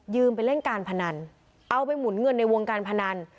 ไปเล่นการพนันเอาไปหมุนเงินในวงการพนัน